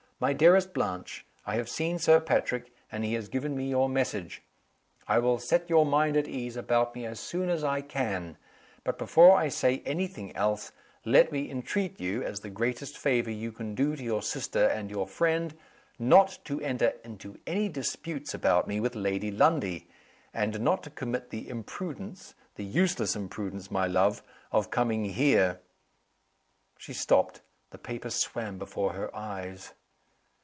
"My dearest Blanche, I have seen Sir Patrick, and he has given me your message. I will set your mind at ease about me as soon as I can. But, before I say any thing else, let me entreat you, as the greatest favor you can do to your sister and your friend, not to enter into any disputes about me with Lady Lundie, and not to commit the imprudence the useless imprudence, my love of coming here." She stopped the paper swam before her eyes.